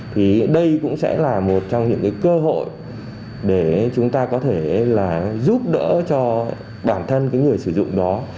thì đây cũng sẽ là một trong những cái cơ hội để chúng ta có thể là giúp đỡ cho bản thân cái người sử dụng đó